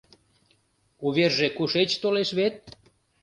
Уверже кушеч толеш вет?